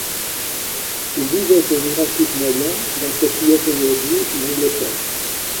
Il vivait au Jurassique moyen dans ce qui est aujourd'hui l'Angleterre.